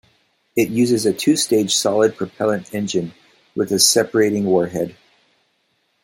It uses a two-stage solid propellant engine with a separating warhead.